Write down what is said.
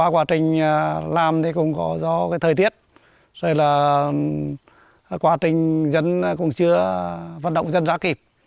quá trình làm thì cũng có do thời tiết rồi là quá trình dân cũng chưa vận động dân ra kịp